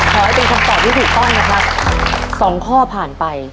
ขอให้เป็นคำตอบที่ถูกต้องนะครับสองข้อผ่านไป